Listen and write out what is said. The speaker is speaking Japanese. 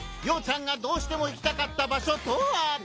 洋ちゃんがどうしても行きたかった場所とは！？